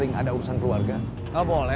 abang buat banget kan kamu di gini the other day